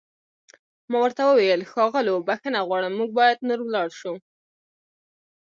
ما ورته وویل: ښاغلو، بښنه غواړم موږ باید نور ولاړ شو.